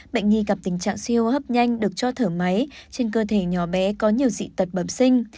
bệnh nhi gặp tình trạng suy hô hấp nhanh được cho thở máy trên cơ thể nhỏ bé có nhiều dị tật bẩm sinh